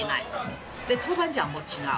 で豆板醤も違う。